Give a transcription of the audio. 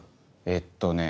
えっとね